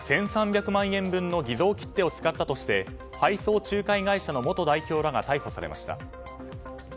１３００万円分の偽造切手を使ったとして配送仲介会社の元代表らが逮捕されました。